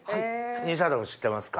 西畑君知ってますか？